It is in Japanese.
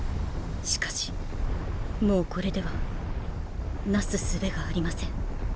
しかしもうこれではなす術がありません。